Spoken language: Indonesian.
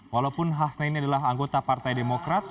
walaupun hasnaini adalah anggota partai demokrat